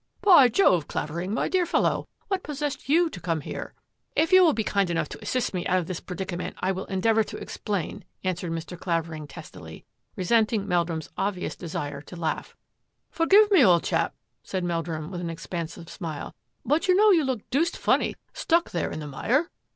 " By Jove, Clavering, my dear fellow, what possessed you to come here? '*" If you will be kind enough to assist me out of this predicament, I will endeavour to explain," answered Mr. Clavering testily, resenting Mel drum's obvious desire to laugh. " Forgive me, old chap," said Meldrum, with an expansive smile, " but you know you look deuced funny stuck there in the mire."